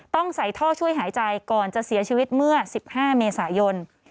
ต้องใส่ท่อช่วยหายใจก่อนจะเสียชีวิตเมื่อ๑๕เมษายน